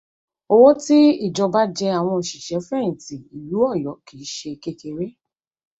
Owó tí ìjọba jẹ àwọn òṣìṣẹ́fẹ̀yìntì ìlú Ọ̀yọ́ kì í ṣe kékeré.